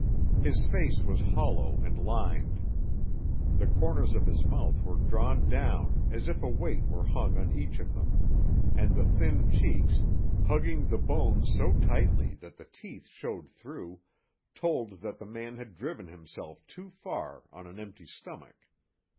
His face was hollow and lined. The corners of his mouth were drawn down as if a weight were hung on each of them, and the thin cheeks, hugging the bones so tightly that the teeth showed through, told that the man had driven himself too far on an empty stomach.